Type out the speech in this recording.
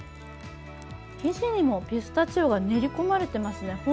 生地にもピスタチオが練り込まれてますね。